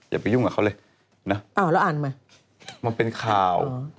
อย่าไปยุ่งกับเขาเลยนะอ้าวแล้วอ่านใหม่มันเป็นข่าว